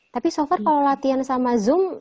tapi so far kalau latihan sama zoom